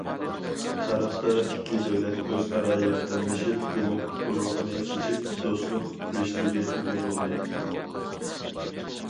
تارىختا ئىككى دۆلەت ئۆز ئارا ياردەملىشىپ، ئۈمىد ئۇرۇقىنى چېچىپ، دوستلۇق رىشتىگە ئىگە بولدى.